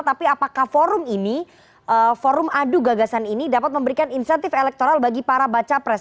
tapi apakah forum adu gagasan ini dapat memberikan insentif elektoral bagi para baca pres